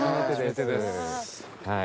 はい。